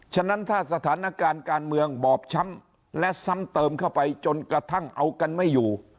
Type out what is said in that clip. ฉะนั้นถ้าสถานการณ์การเมืองบอบช้ำและซ้ำเติมเข้าไปจนกระทั่งเอากันไม่อยู่